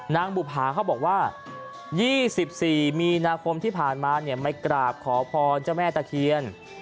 บุภาเขาบอกว่า๒๔มีนาคมที่ผ่านมาไม่กราบขอพรเจ้าแม่ตะเคียน